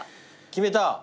決めた。